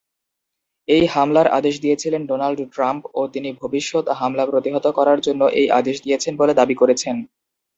এই হামলার আদেশ দিয়েছিলেন ডোনাল্ড ট্রাম্প ও তিনি ভবিষ্যৎ হামলা প্রতিহত করার জন্য এই আদেশ দিয়েছেন বলে দাবি করেছেন।